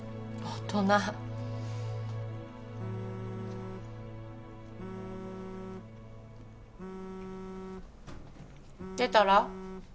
大人出たら？